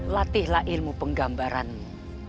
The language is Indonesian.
latihlah ilmu penggambaranmu